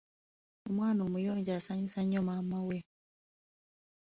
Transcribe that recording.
Omwana omuyonjo asanyusa nnyo maama we.